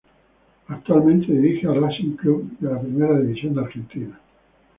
Actualmente dirige a Racing Club de la Primera División de Argentina.